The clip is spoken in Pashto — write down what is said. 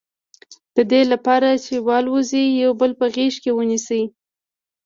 د دې لپاره چې والوزي یو بل په غېږ کې ونیسي.